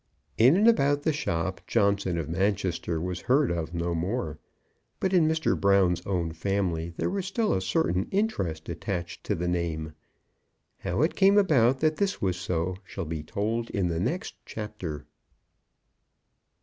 In and about the shop Johnson of Manchester was heard of no more, but in Mr. Brown's own family there was still a certain interest attached to the name. How it came about that this was so, shall be told in the next chapter.